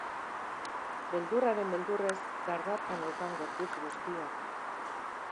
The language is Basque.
Beldurraren beldurrez dardarka neukan gorputz guztia.